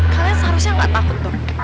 kalian seharusnya gak takut dong